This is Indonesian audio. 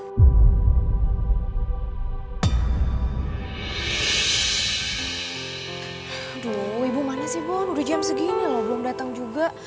aduh ibu mana sih bon udah jam segini loh belum datang juga